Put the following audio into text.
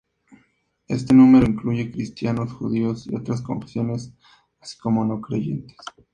Este número incluye cristianos, judíos y otras confesiones, así como no creyentes.